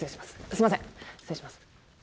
すみません失礼します。